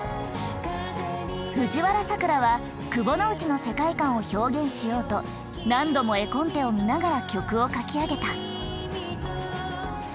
藤原さくらは窪之内の世界観を表現しようと何度も絵コンテを見ながら曲を書き上げた。